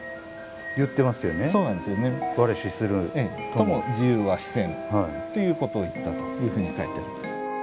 「とも自由は死せん」っていうことを言ったというふうに書いてある。